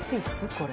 これ。